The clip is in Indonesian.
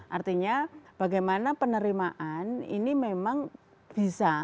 artinya bagaimana penerimaan ini memang bisa